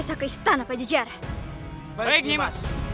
sampai jumpa di video selanjutnya